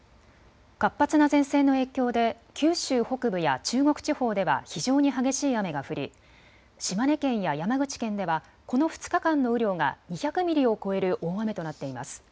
活発な前線の影響で九州北部や中国地方では非常に激しい雨が降り、島根県や山口県ではこの２日間の雨量が２００ミリを超える大雨となっています。